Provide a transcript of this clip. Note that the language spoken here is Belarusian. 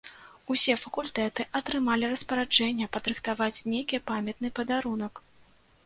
Усе факультэты атрымалі распараджэнне падрыхтаваць нейкі памятны падарунак.